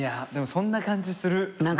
でもそんな感じする。